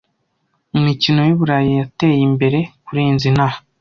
Imikino yuburayi yateye imbere kurenza inaha